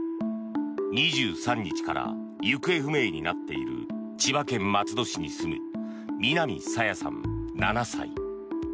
２３日から行方不明になっている千葉県松戸市に住む南朝芽さん、７歳。